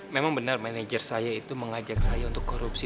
memang benar manajer saya itu mengajak saya untuk korupsi